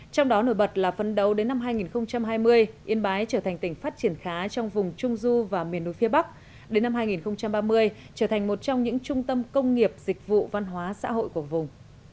trong đó nổi bật là phấn đấu đến năm hai nghìn hai mươi yên bái trở thành tỉnh phát triển khá trong vùng trung du và miền núi phía bắc đến năm hai nghìn ba mươi trở thành một trong những trung tâm công nghiệp dịch vụ văn hóa xã hội của vùng